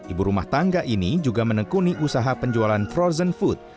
ibu rumah tangga ini juga menekuni usaha penjualan frozen food